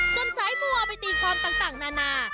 สายบัวไปตีความต่างนานา